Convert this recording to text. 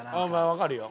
わかるよ。